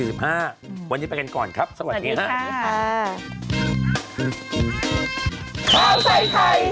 วันนี้ไปกันก่อนครับสวัสดีครับ